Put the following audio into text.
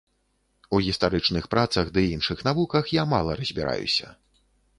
У гістарычных працах ды іншых навуках я мала разбіраюся.